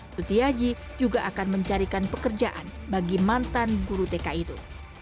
sutiaji juga akan mencarikan pekerjaan bagi mantan guru tk itu